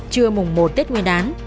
trưa mùng một tết nguyên đán